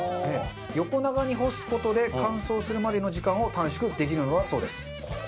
横長に干す事で乾燥するまでの時間を短縮できるのだそうです。